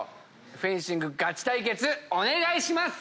フェンシングガチ対決お願いします。